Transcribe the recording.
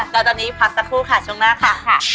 แล้วตอนนี้พักสักครู่ค่ะช่วงหน้าค่ะ